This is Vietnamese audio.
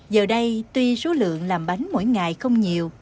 giờ đây tuy số lượng làm bánh mỗi ngày không nhiều